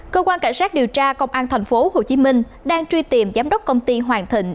cơ quan cảnh sát điều tra công an thành phố hồ chí minh đang truy tìm giám đốc công ty hoàng thịnh